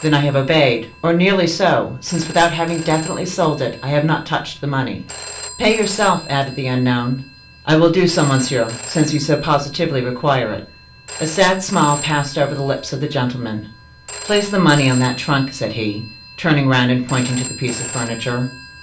"Then I have obeyed, or nearly so, since, without having definitely sold it, I have touched the money." "Pay yourself," added the unknown. "I will do so, monsieur, since you so positively require it." A sad smile passed over the lips of the gentleman. "Place the money on that trunk," said he, turning round and pointing to the piece of furniture.